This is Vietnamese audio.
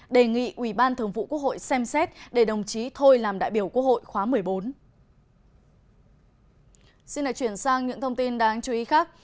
đề nghị ủy ban thường vụ quốc hội xem xét để đồng chí thôi làm đại biểu quốc hội khóa một mươi bốn